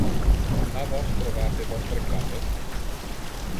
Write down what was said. Ha vos trovate vostre claves?